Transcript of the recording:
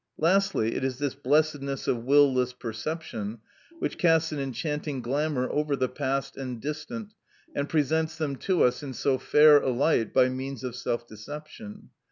Lastly, it is this blessedness of will less perception which casts an enchanting glamour over the past and distant, and presents them to us in so fair a light by means of self deception.